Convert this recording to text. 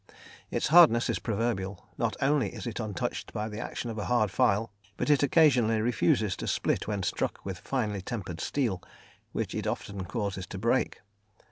Its hardness is proverbial; not only is it untouched by the action of a hard file, but it occasionally refuses to split when struck with finely tempered steel, which it often causes to break.